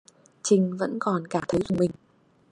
Trinh vẫn còn cảm thấy rùng mình